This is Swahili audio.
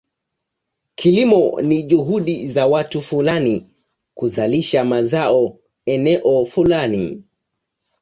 Kilimo ni juhudi za watu fulani kuzalisha mazao eneo fulani.